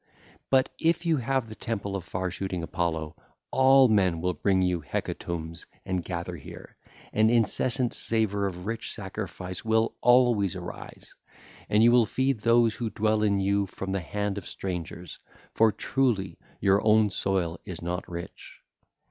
But if you have the temple of far shooting Apollo, all men will bring you hecatombs and gather here, and incessant savour of rich sacrifice will always arise, and you will feed those who dwell in you from the hand of strangers; for truly your own soil is not rich.